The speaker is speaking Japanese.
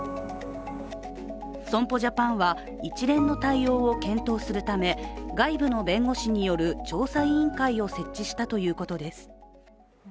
損保ジャパンは一連の対応を検討するため外部の弁護士による調査委員会を設置したということです。